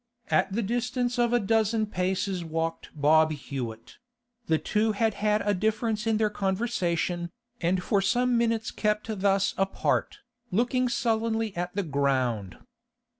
At the distance of a dozen paces walked Bob Hewett; the two had had a difference in their conversation, and for some minutes kept thus apart, looking sullenly at the ground.